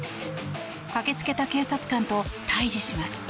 駆け付けた警察官と対峙します。